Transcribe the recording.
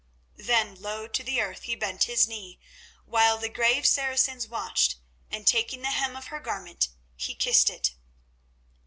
Then low to the earth he bent his knee, while the grave Saracens watched, and taking the hem of her garment, he kissed it.